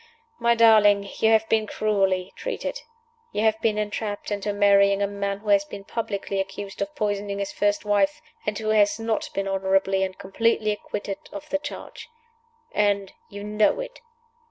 "My darling, you have been cruelly treated. You have been entrapped into marrying a man who has been publicly accused of poisoning his first wife and who has not been honorably and completely acquitted of the charge. And you know it!